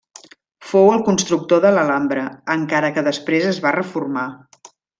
Fou el constructor de l'Alhambra encara que després es va reformar.